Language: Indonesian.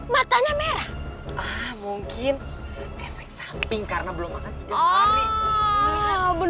matanya merah mungkin karena belum